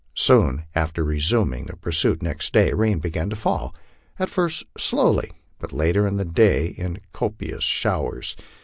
Soon after resuming the pursuit next day rain began to fall, at first slowly, but later in the day in copious showers.